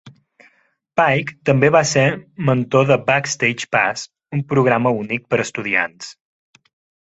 Pyke també va ser mentor de Backstage Pass, un programa únic per a estudiants.